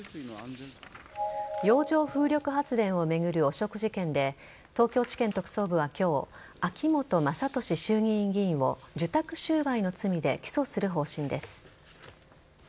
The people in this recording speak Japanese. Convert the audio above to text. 洋上風力発電を巡る汚職事件で東京地検特捜部は今日秋本真利衆議院議員を受託収賄の疑いで起訴する方針です。